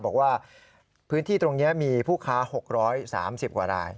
บอกว่าพื้นที่ตรงนี้มีผู้ค้า๖๓๐กว่าราย